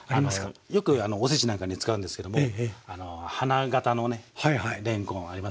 よくお節なんかに使うんですけども花形のねれんこんありますね。